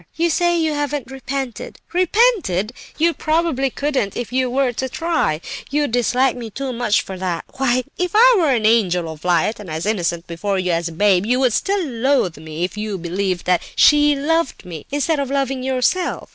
You say you haven't 'repented.' Repented! You probably couldn't, if you were to try; you dislike me too much for that. Why, if I were an angel of light, and as innocent before you as a babe, you would still loathe me if you believed that she loved me, instead of loving yourself.